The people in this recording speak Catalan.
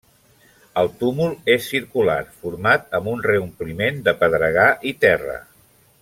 El túmul és circular, format amb un reompliment de pedregar i terra.